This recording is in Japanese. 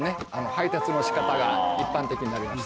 配達の仕方が一般的になりました。